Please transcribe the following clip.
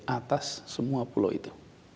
atas semua pulau itu